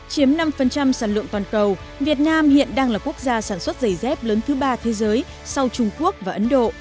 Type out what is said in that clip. hãy đăng ký kênh để ủng hộ kênh của chúng mình nhé